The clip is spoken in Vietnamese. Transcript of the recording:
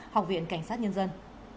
học viện cảnh sát nhân dân